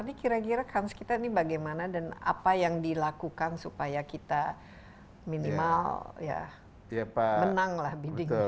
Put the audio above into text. ini kira kira kan sekitar ini bagaimana dan apa yang dilakukan supaya kita minimal menanglah biddingnya